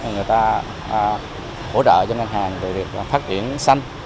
người ta hỗ trợ cho ngân hàng để phát triển xanh